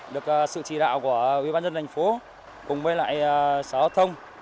được sự chỉ đạo của ubnd thành phố cùng với lại xã hội thông